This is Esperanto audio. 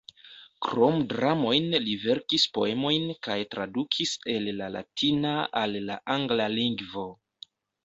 Krom dramojn li verkis poemojn kaj tradukis el la latina al la angla lingvo.